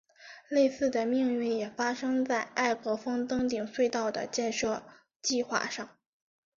类似的命运也发生在艾格峰登顶隧道的建设计画上。